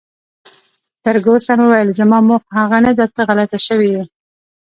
فرګوسن وویل: زما موخه هغه نه ده، ته غلطه شوې.